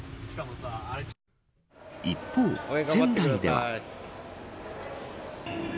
一方、仙台では。